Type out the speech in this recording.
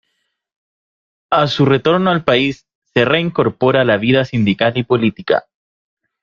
A su retorno al país, se reincorpora a la vida sindical y política.